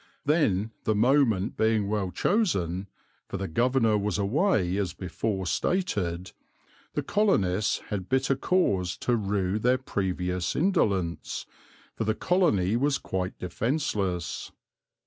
Then, the moment being well chosen, for the Governor was away as before stated, the colonists had bitter cause to rue their previous indolence, for the colony was quite defenceless.